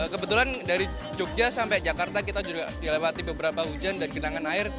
kebetulan dari jogja sampai jakarta kita juga dilewati beberapa hujan dan genangan air